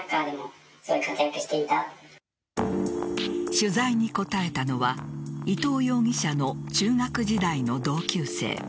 取材に答えたのは伊藤容疑者の中学時代の同級生。